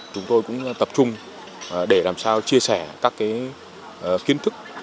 chúng tôi cũng tập trung để làm sao chia sẻ các kiến thức